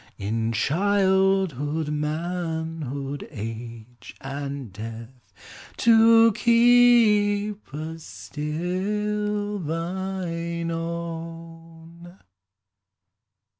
In childhood, manhood, age, and death, To keep us still thine own.